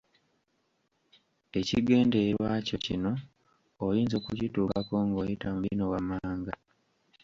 Ekigendererwa kyo kino oyinza okukituukako ng'oyita mu bino wammanga.